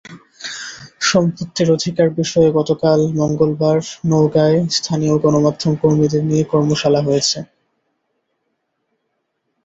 সম্পত্তির অধিকার বিষয়ে গতকাল মঙ্গলবার নওগাঁয় স্থানীয় গণমাধ্যম কর্মীদের নিয়ে কর্মশালা হয়েছে।